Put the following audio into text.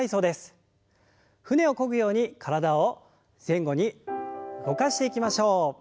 舟をこぐように体を前後に動かしていきましょう。